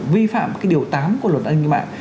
vi phạm cái điều tám của luật an ninh mạng